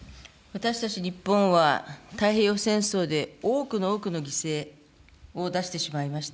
私たち日本は、太平洋戦争で多くの多くの犠牲を出してしまいました。